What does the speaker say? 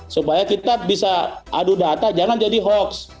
supaya kita bisa adu data jangan jadi hoax